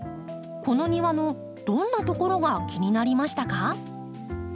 この庭のどんなところが気になりましたか？